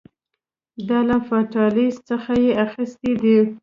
دا له فاتالیس څخه یې اخیستي دي